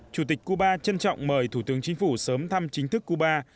chủ tịch cuba trân trọng mời thủ tướng chính phủ sớm thăm chính thức cuba